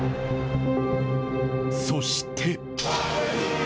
そして。